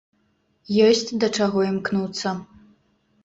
Ёсць да чаго імкнуцца.